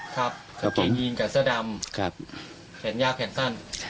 กางเกงยีนกับเสื้อดำแขนยาวแขนสั้น